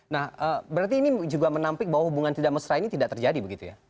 nah berarti ini juga menampik bahwa hubungan tidak mesra ini tidak terjadi begitu ya